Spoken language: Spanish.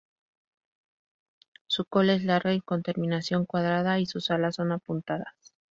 Su cola es larga y con terminación cuadrada, y sus alas son apuntadas.